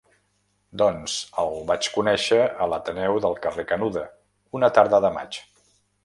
Doncs, el vaig conèixer a l'Ateneu del carrer Canuda, una tarda de maig.